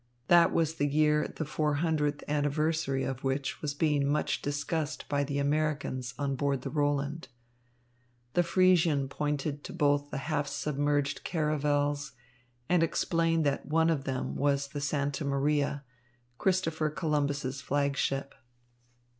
That was the year the four hundredth anniversary of which was being much discussed by the Americans on board the Roland. The Friesian pointed to both the half submerged caravels and explained that one of them was the Santa Maria, Christopher Columbus's flag ship.